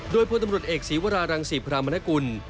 โดยพลตำรวจเอกศีวรารังศรีพรามนกุล